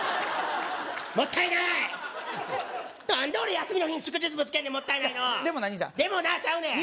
もったいない何で俺休みの日に祝日ぶつけんねんもったいないのうでもな兄ちゃんでもなちゃうねん